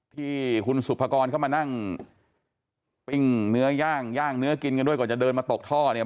ที่คุณสุภกรเข้ามานั่งปิ้งเนื้อย่างย่างเนื้อกินกันด้วยก่อนจะเดินมาตกท่อเนี่ย